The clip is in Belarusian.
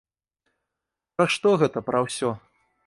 Пра што гэта пра ўсё?